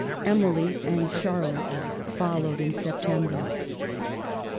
Emily and Charlotte followed in Sep tember.